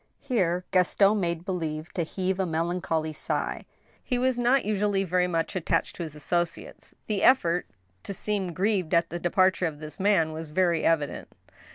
Here Gaston made believe to heave a melancholy sigh. He was not usually very much attached to his associates. The effort to seem grieved at the departure of this man was very evident.